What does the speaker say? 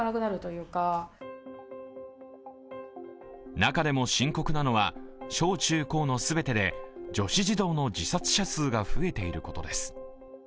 中でも深刻なのは小中高の全てで女子児童の自殺者数が増えていることです。